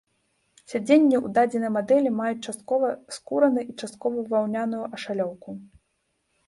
Сядзенні ў дадзенай мадэлі маюць часткова скураны і часткова ваўняную ашалёўку.